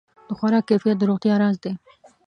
د خوراک کیفیت د روغتیا راز دی.